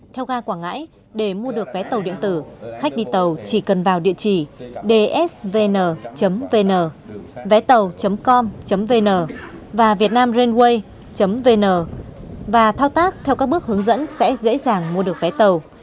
theo ga quảng ngãi để mua được vé tàu điện tử khách đi tàu chỉ cần vào địa chỉ dsvn vn vé tàu com vn và vietnam ranwei vn và thao tác theo các bước hướng dẫn sẽ dễ dàng mua được vé tàu